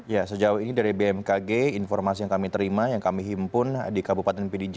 ya sejauh ini dari bmkg informasi yang kami terima yang kami himpun di kabupaten pdj